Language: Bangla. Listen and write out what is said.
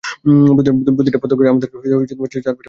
প্রতিটা পদক্ষেপে, আমাদেরকে চারপাশটা চোখ বুলাতে হবে।